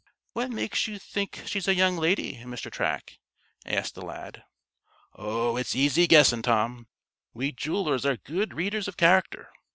"What makes you think she's a young lady, Mr. Track?" asked the lad. "Oh, it's easy guessing, Tom. We jewelers are good readers of character.